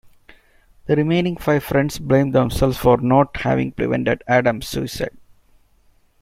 The remaining five friends blame themselves for not having prevented Adam's suicide.